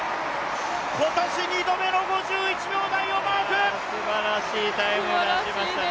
今年２度目の５１秒台をマークすばらしいタイムを出しましたね。